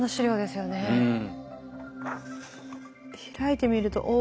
開いてみると。